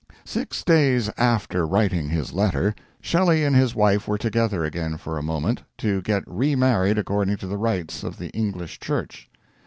Six days after writing his letter Shelley and his wife were together again for a moment to get remarried according to the rites of the English Church.